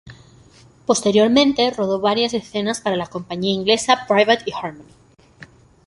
Posteriormente rodó varias escenas para las compañía inglesa Private y Harmony.